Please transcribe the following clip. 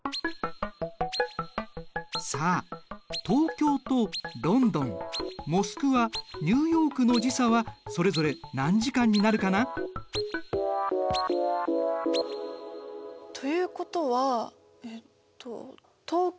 さあ東京とロンドンモスクワニューヨークの時差はそれぞれ何時間になるかな？ということはえっと